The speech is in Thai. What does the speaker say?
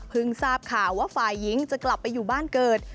ทราบข่าวว่าฝ่ายหญิงจะกลับไปอยู่บ้านเกิด